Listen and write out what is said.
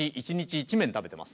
１麺食べてます。